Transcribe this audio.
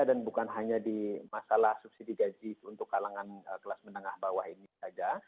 dan bukan hanya di masalah subsidi gaji untuk kalangan kelas menengah bawah ini saja